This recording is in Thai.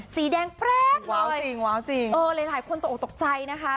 สีแดงแปลกว้าวจริงว้าวจริงเออหลายคนตกออกตกใจนะคะ